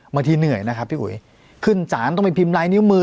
เหนื่อยนะครับพี่อุ๋ยขึ้นสารต้องไปพิมพ์ลายนิ้วมือ